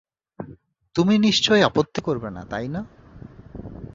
তুমি নিশ্চয়ই আপত্তি করবে না, তাই না?